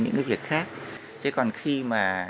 những việc khác chứ còn khi mà